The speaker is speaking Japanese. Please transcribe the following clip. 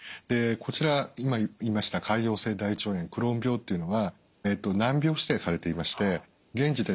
こちら今言いました潰瘍性大腸炎クローン病っていうのは難病指定されていまして現時点で完治は難しいです。